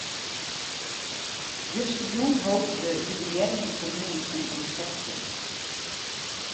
Justerjûn hold de jubilearjende feriening in resepsje.